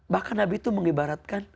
bahkan nabi itu mengibaratkan